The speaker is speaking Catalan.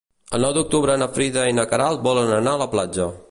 El nou d'octubre na Frida i na Queralt volen anar a la platja.